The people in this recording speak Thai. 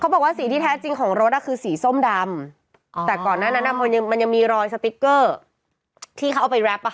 บอกว่าสีที่แท้จริงของรถอ่ะคือสีส้มดำแต่ก่อนหน้านั้นอ่ะมันยังมันยังมีรอยสติ๊กเกอร์ที่เขาเอาไปแรปอ่ะค่ะ